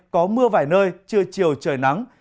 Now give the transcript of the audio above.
có mưa vài nơi trưa chiều trời nắng